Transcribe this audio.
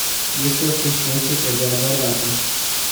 Este o chestiune ce trebuie abordată!